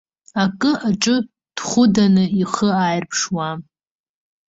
Ак аҿы дхәыданы ихы ааирԥшуам.